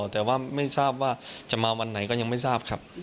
แต่ว่าจะมาวันไหนก็ยังไม่ทราบครับ